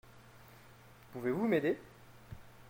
Pouvez-vous m’aider ?